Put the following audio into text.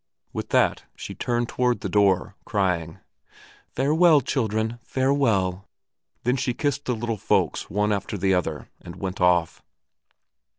With that she turned toward the door, crying, "Farewell, children, farewell!" Then she kissed the little folks one after the other, and went off.